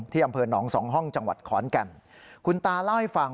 อำเภอหนองสองห้องจังหวัดขอนแก่นคุณตาเล่าให้ฟัง